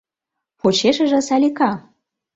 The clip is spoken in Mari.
Почешыже — Салика.